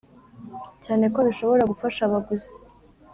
cyane ko bishobora gufasha abaguzi